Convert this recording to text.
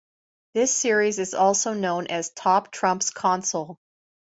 This series is also known as Top Trumps Console.